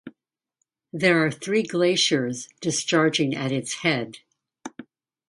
There are three glaciers discharging at its head.